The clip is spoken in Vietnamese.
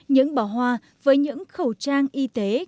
những bỏ hoa với những khẩu trang y tế